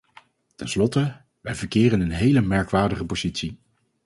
Tenslotte, wij verkeren in een hele merkwaardige positie.